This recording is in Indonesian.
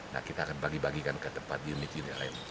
nah kita akan bagi bagikan ke tempat unit unit lain